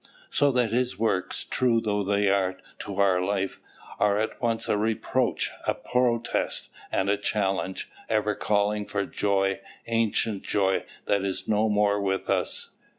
So that his works, true though they are to our life, are at once a reproach, a protest, and a challenge, ever calling for joy, ancient joy, that is no more with us.